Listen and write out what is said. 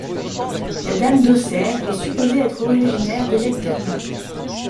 La Dame d'Auxerre est supposée être originaire d'Eleftherna.